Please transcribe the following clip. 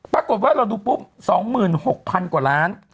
ปรากฏว่าเราดูปุ๊บ๒๖๐๐๐กว่าล้าน